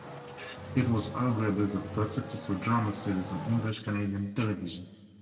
It was arguably the first successful drama series on English Canadian television.